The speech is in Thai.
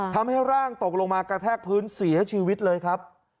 ทำให้ร่างตกลงมากระแทกพื้นเสียชีวิตเลยครับ